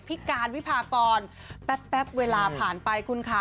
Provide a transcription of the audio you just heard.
พี่การวิพากรแป๊บเวลาผ่านไปคุณคะ